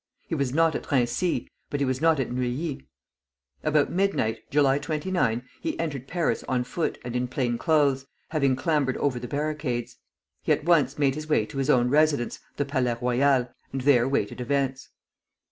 He was not at Raincy, he was not at Neuilly. About midnight, July 29, he entered Paris on foot and in plain clothes, having clambered over the barricades. He at once made his way to his own residence, the Palais Royal, and there waited events.